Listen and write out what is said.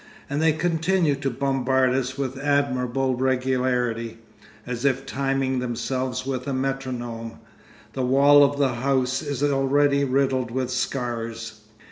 And they continue to bombard us with admirable regularity, as if timing themselves with a metronome; the wall of the house is already riddled with scars.